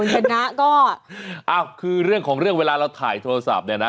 ชนะก็คือเรื่องของเรื่องเวลาเราถ่ายโทรศัพท์เนี่ยนะ